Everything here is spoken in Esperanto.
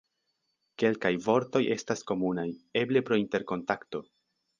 Kelkaj vortoj estas komunaj, eble pro interkontakto.